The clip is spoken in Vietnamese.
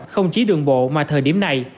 không chỉ đường bộ mà thời điểm này